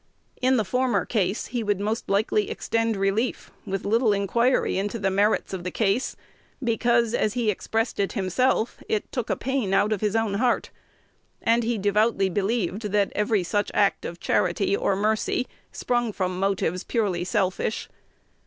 In the former case he would most likely extend relief, with little inquiry into the merits of the case, because, as he expressed it himself, it "took a pain out of his own heart;" and he devoutly believed that every such act of charity or mercy sprung from motives purely selfish.